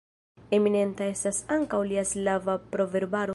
Eminenta estas ankaŭ lia slava proverbaro.